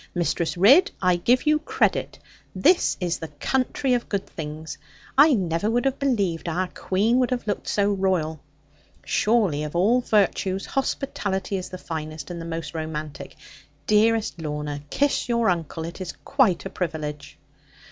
Mistress Ridd, I give you credit. This is the country of good things. I never would have believed our Queen could have looked so royal. Surely of all virtues, hospitality is the finest, and the most romantic. Dearest Lorna, kiss your uncle; it is quite a privilege.'